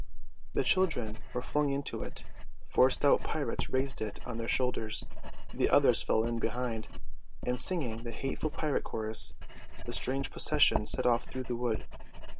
The children were flung into it, four stout pirates raised it on their shoulders, the others fell in behind, and singing the hateful pirate chorus the strange procession set off through the wood.